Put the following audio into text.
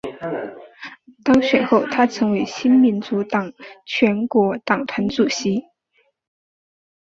当选后她成为新民主党全国党团主席。